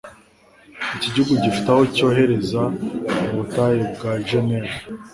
Iki gihugu gifite aho cyohereza mu butayu bwa Negev